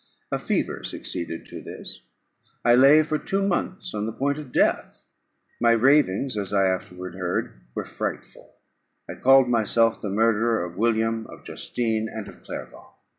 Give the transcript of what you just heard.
A fever succeeded to this. I lay for two months on the point of death: my ravings, as I afterwards heard, were frightful; I called myself the murderer of William, of Justine, and of Clerval.